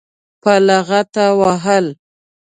په لغته وهل.